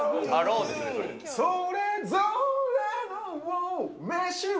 それぞれの飯を。